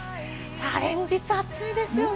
連日暑いですよね。